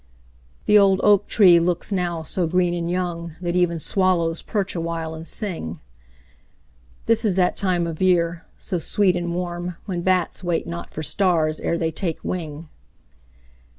The old Oak tree looks now so green and young, That even swallows perch awhile and sing: This is that time of year, so sweet and warm, When bats wait not for stars ere they take wing.